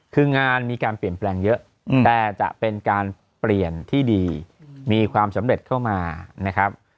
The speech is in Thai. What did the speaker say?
คืองานมีการเปลี่ยนแปลงเยอะแต่จะเป็นการเปลี่ยนที่ดีมีความสำเร็จเข้ามานะครับ